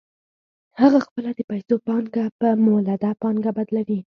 هغه خپله د پیسو پانګه په مولده پانګه بدلوي